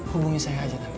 hubungi saya aja tante